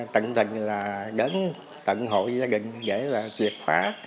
tận tình là đến tận hội gia đình để là triệt phá